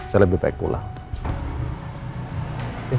saya lebih baik pulang